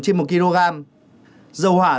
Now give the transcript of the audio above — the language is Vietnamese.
trên một kg dầu hỏa